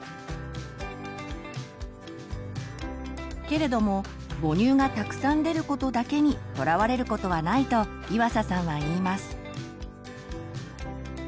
けれども母乳がたくさん出ることだけにとらわれることはないと岩佐さんは言います。